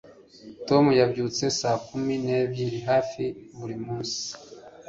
Tom yabyutse saa kumi nebyiri hafi buri munsi